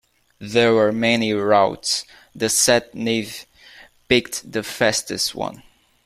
There were many routes, the sat-nav picked the fastest one.